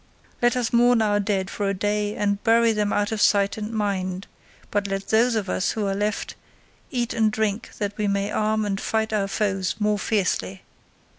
Let us mourn our dead for a day and bury them out of sight and mind, but let those of us who are left eat and drink that we may arm and fight our foes more fiercely.